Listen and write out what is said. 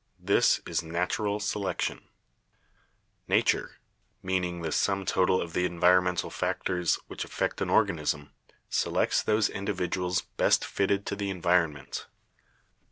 This is natural selection. Nature — 192 BIOLOGY meaning the sum total of the environmental factors which affect an organism — selects those individuals best fitted to the environment.